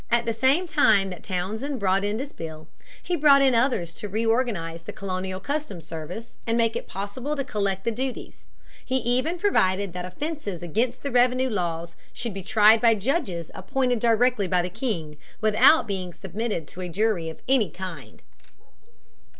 At the same time that Townshend brought in this bill, he brought in others to reorganize the colonial customs service and make it possible to collect the duties. He even provided that offences against the revenue laws should be tried by judges appointed directly by the king, without being submitted to a jury of any kind.